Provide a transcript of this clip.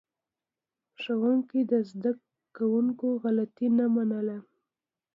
ښوونکي د زده کوونکو غلطي نه منله.